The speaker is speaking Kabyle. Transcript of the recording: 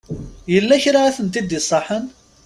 Yella kra i tent-id-isaḥen?